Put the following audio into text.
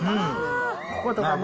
こことかね。